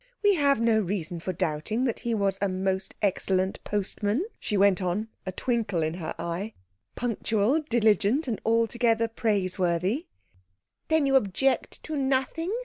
We have no reason for doubting that he was a most excellent postman," she went on, a twinkle in her eye; "punctual, diligent, and altogether praiseworthy." "Then you object to nothing?"